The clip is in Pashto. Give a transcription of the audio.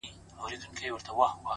خو پر زړه مي سپين دسمال د چا د ياد ـ